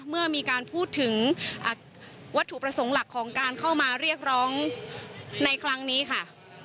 เมื่อมีการพูดถึงวัตถุประสงค์หลักของการเข้ามาเรียกร้องในครั้งนี้ค่ะ